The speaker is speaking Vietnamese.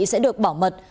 sẽ được bảo mật